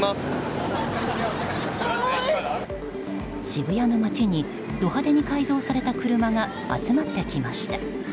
渋谷の街にド派手に改造された車が集まってきました。